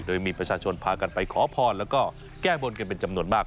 โดยมีประชาชนพากันไปขอพรแล้วก็แก้บนกันเป็นจำนวนมาก